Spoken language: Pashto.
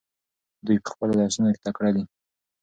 دوی په خپلو درسونو کې تکړه دي.